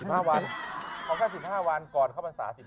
เอาแค่๑๕วันก่อนเข้าวันศาสตร์๑๕วัน